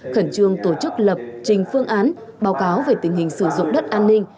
khẩn trương tổ chức lập trình phương án báo cáo về tình hình sử dụng đất an ninh